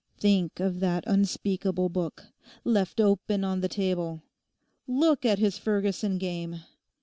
Think of that unspeakable book. Left open on the table! Look at his Ferguson game.